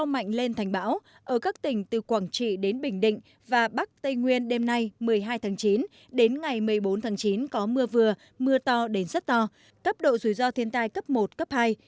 mạnh lên thành bão ở các tỉnh từ quảng trị đến bình định và bắc tây nguyên đêm nay một mươi hai tháng chín đến ngày một mươi bốn tháng chín có mưa vừa mưa to đến rất to cấp độ rủi ro thiên tai cấp một cấp hai